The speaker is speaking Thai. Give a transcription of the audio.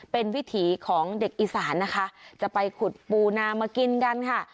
เป็นวิถีของเด็กอีสานนะคะจะไปขุดปูนามากินกันค่ะ